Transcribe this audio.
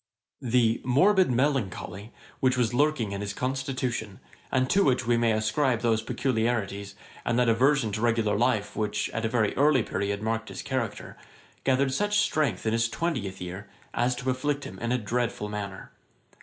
] The 'morbid melancholy,' which was lurking in his constitution, and to which we may ascribe those particularities, and that aversion to regular life, which, at a very early period, marked his character, gathered such strength in his twentieth year, as to afflict him in a dreadful manner.